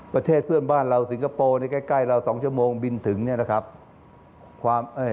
ประเทศเพื่อนบ้านเราสิงคโปร์ในใกล้เรา๒ชั่วโมงบินถึงเนี่ยนะครับ